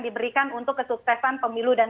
diberikan untuk kesuksesan pemilu dan